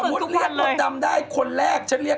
พี่เบิร์ทอย่างเดียว